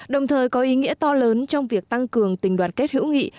đồng thời có ý nghĩa to lớn trong việc tăng cường tình đoàn kết hữu nghị